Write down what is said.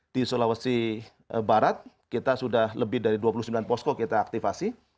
di sulawesi barat kita sudah lebih dari dua puluh sembilan posko kita aktifasi